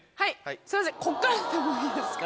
すいませんこっからでもいいですか？